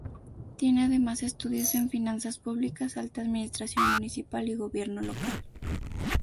Tiene además estudios en finanzas públicas, alta administración municipal y gobierno local.